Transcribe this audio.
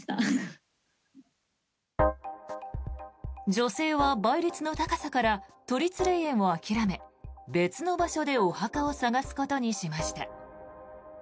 女性は倍率の高さから都立霊園を諦め別の場所でお墓を探すことにしました。